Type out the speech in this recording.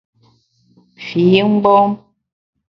Fi mgbom !